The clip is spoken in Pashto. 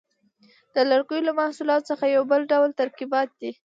د لرګیو له محصولاتو څخه یو بل ډول ترکیبات دي.